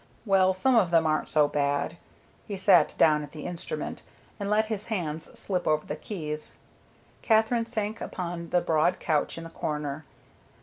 "Well, some of them aren't so bad." He sat down at the instrument and let his hands slip over the keys. Katherine sank upon the broad couch in the corner.